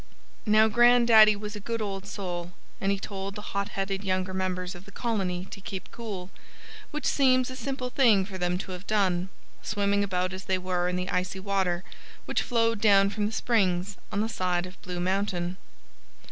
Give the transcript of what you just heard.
Now, Grandaddy was a good old soul. And he told the hot headed younger members of the colony to keep cool, which seems a simple thing for them to have done, swimming about as they were in the icy water, which flowed down from springs on the side of Blue Mountain.